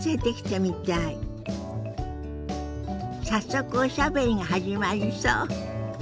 早速おしゃべりが始まりそう。